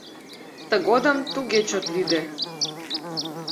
Тыгодым туге чот лӱдӧ.